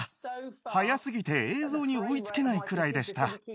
速すぎて、映像に追いつけないくらいでした。